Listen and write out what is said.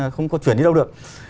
không có chuyển đi đâu được